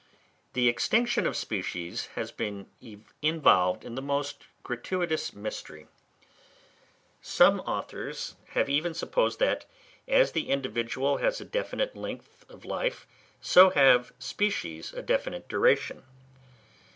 The extinction of species has been involved in the most gratuitous mystery. Some authors have even supposed that, as the individual has a definite length of life, so have species a definite duration.